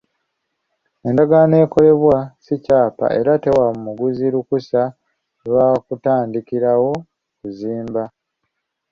Endagaano ekolebwa si kyapa era tewa muguzi lukusa lwa kutandikirawo kuzimba.